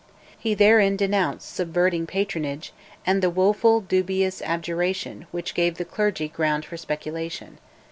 He therein denounced "subverting patronage" and "the woful dubious Abjuration Which gave the clergy ground for speculation."